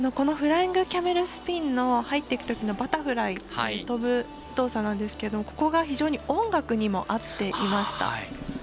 フライングキャメルスピン入っていくときのバタフライ跳ぶ動作なんですがここが非常に音楽にも合っていました。